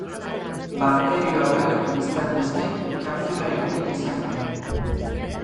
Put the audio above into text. Bakterio hauek, besteak beste, kapsula eduki dezakete.